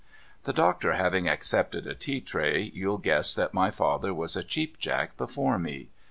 The doctor having accepted a tea tray, you'll guess that my father was a Cheap Jack before me.